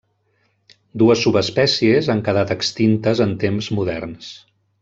Dues subespècies han quedat extintes en temps moderns.